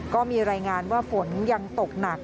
ก็มีรายงานว่าฝนยังตกหนัก